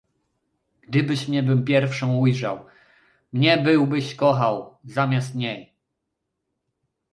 "Gdybyś mnie był pierwszą ujrzał, mnie byłbyś kochał zamiast niej..."